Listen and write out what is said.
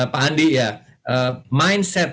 pak andi ya mindset